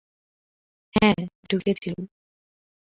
হা, ঢুকেছিল।